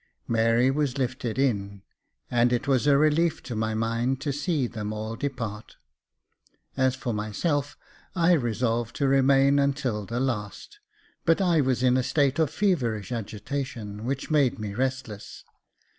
Mary was lifted in, and it was a relief to my mind to see them all depart. As for myself, I resolved to remain until the last ; but I was in a state of feverish agitation, which made me restless.